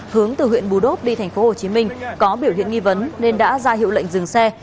hướng từ huyện bù đốp đi tp hcm có biểu hiện nghi vấn nên đã ra hiệu lệnh dừng xe